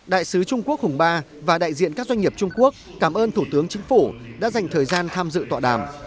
đại sứ trung quốc hùng ba và đại diện các doanh nghiệp trung quốc cảm ơn thủ tướng chính phủ đã dành thời gian tham dự tọa đàm